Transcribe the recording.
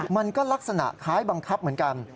มันก็ลักษณะคล้ายบังคับเหมือนกัน